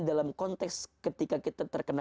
dalam konteks ketika kita terkena